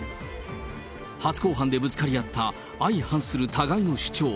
初公判でぶつかり合った、相反する互いの主張。